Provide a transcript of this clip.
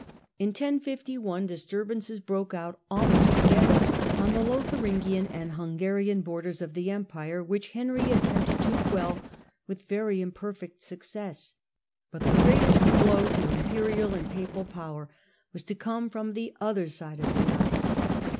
In 1051, disturbances broke out, almost together, on theLotharingian and Hungarian borders of the Empire, Q^j^^j^^j which Henry attempted to quell with very ^Normans i^^P^rfoct succcss. But the greatest blow to in Apulia imperial and papal power was to come from the other side of the Alps.